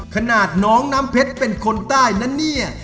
ขนาดน้องน้ำเพชรเป็นคนใต้นะเนี่ย